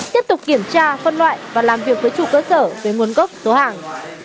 tiếp tục kiểm tra phân loại và làm việc với chủ cơ sở về nguồn gốc số hàng